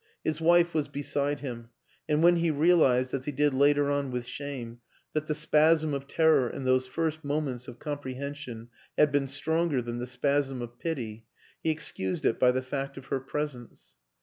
His wife was beside him and when he realized (as he did later on with shame) that the spasm of terror in those first moments of compre hension had been stronger than the spasm of pity, he excused it by the fact of her presence.